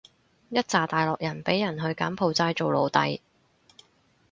一柞大陸人畀人去柬埔寨做奴隸